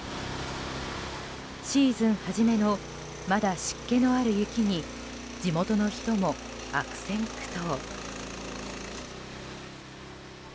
シーズン初めのまだ湿気のある雪に地元の人も悪戦苦闘。